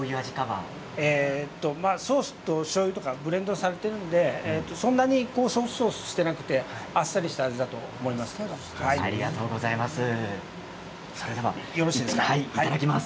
ソースとしょうゆがブレンドされているのでそんなにソースソースしていなくてでは、いただきます。